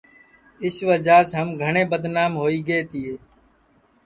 اِس وجعہ سے ہم گھٹؔے بدنام ہوئی گئے تیے